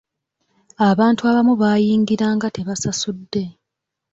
Abantu abamu baayingiranga tebasasudde.